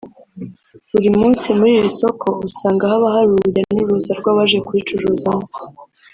Buri munsi muri iri soko usanga haba hari urujya n’uruza rw’abaje kuricuruzamo